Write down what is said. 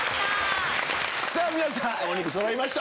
皆さんお肉そろいました。